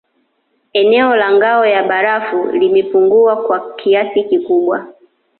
Eneo la ngao ya barafu limepungua kwa kiasi kikubwa